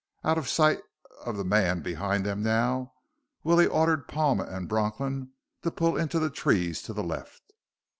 Out of sight of the man behind them now, Willie ordered Palma and Bronklin to pull into the trees to the left.